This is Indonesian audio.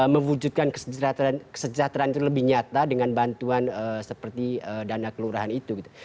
mewujudkan kesejahteraan itu lebih nyata dengan bantuan seperti dana kelurahan itu gitu